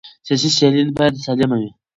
سیاسي سیالۍ باید سالمه وي